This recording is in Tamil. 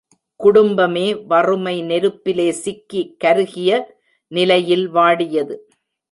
குடும்பமே வறுமை நெருப்பிலே சிக்கி கருகிய நிலையில் வாடியது!